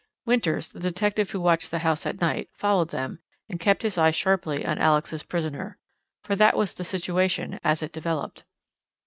Winters, the detective who watched the house at night, followed them, and kept his eyes sharply on Alex's prisoner. For that was the situation as it developed.